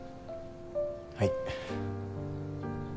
はい。